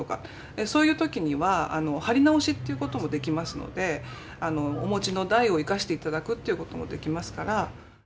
そういう時には貼り直しということもできますのでお持ちの台を生かしていただくということもできますから。